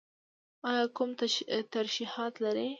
ایا کوم ترشحات لرئ؟